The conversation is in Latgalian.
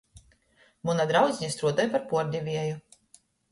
Muna draudzine struodoj par puordevieju.